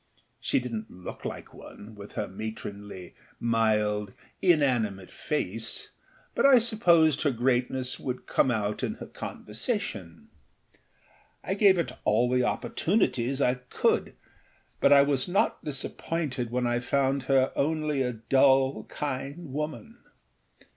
She didnât look like one, with her matronly, mild, inanimate face, but I supposed her greatness would come out in her conversation. I gave it all the opportunities I could, but I was not disappointed when I found her only a dull, kind woman.